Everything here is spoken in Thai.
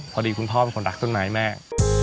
พอดีคุณพ่อเป็นคนรักต้นไม้มาก